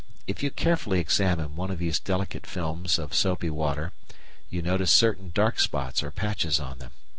If you carefully examine one of these delicate films of soapy water, you notice certain dark spots or patches on them.